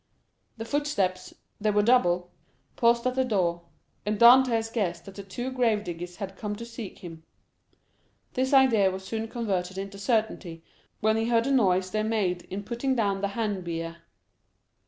The footsteps—they were double—paused at the door—and Dantès guessed that the two grave diggers had come to seek him—this idea was soon converted into certainty, when he heard the noise they made in putting down the hand bier.